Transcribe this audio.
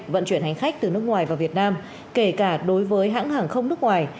vận chuyển hành khách từ nước ngoài vào việt nam kể cả đối với hãng hàng không nước ngoài